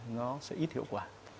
nó sẽ ít hiệu quả